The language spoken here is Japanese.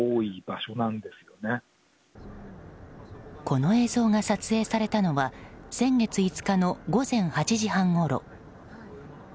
この映像が撮影されたのは先月５日の午前８時半ごろ。